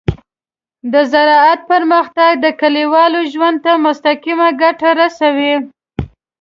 د زراعت پرمختګ د کليوالو ژوند ته مستقیمه ګټه رسوي.